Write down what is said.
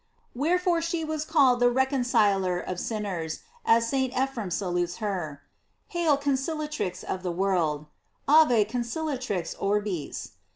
"l Wherefore the was called the recon ciler of sinners, as St. Ephrem salutes her: "Hail, conciliatrix of the world: "Ave conciliatrix orbis."